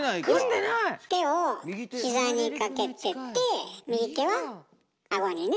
手を膝にかけてて右手は顎にね。